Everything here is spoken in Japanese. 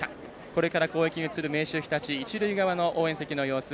これから攻撃に移る明秀日立、一塁側の様子